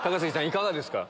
いかがですか？